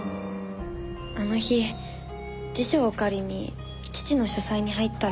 あの日辞書を借りに父の書斎に入ったら。